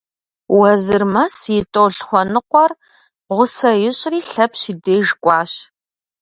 Уэзырмэс и тӏолъхуэныкъуэр гъусэ ищӏри Лъэпщ и деж кӏуащ.